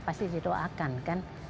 pasti didoakan kan